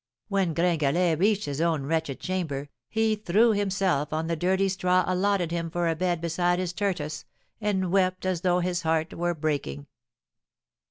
When Gringalet reached his own wretched chamber, he threw himself on the dirty straw allotted him for a bed beside his tortoise, and wept as though his heart were breaking.